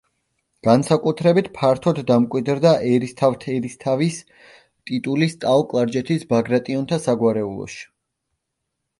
განსაკუთრებით ფართოდ დამკვიდრდა ერისთავთერისთავის ტიტული ტაო-კლარჯეთის ბაგრატიონთა საგვარეულოში.